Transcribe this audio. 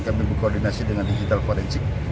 kami berkoordinasi dengan digital forensik